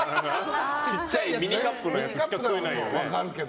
ちっちゃいミニカップしか食えないよね。